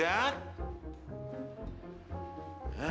ya allah mingga